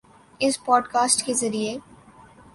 اس podcast کے ذریعے